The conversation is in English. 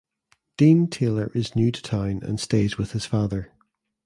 Dean Taylor is new to town and stays with his father.